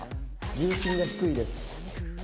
重心が低いです。